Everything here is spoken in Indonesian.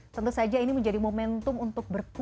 tentu saja ini menjadi momentum untuk berkumpul